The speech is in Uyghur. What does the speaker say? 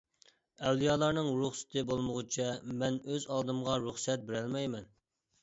ئەۋلىيالارنىڭ رۇخسىتى بولمىغۇچە مەن ئۆز ئالدىمغا رۇخسەت بېرەلمەيمەن.